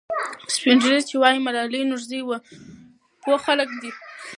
سپین ږیري چې وایي ملالۍ نورزۍ وه، پوه خلک دي.